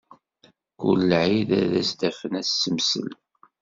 Kul lɛib ad as-d-afen asemsel.